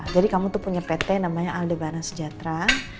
jadi kamu tuh punya pt namanya aldebana sejatera